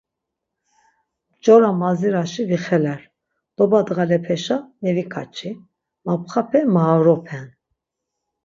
Mcora mazirasi vixeler. Doba ndğalepeşa meviǩaçi. Mapxape maoropen.